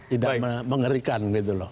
tidak mengerikan gitu loh